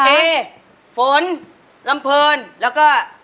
เอฝนลำเพลินแล้วก็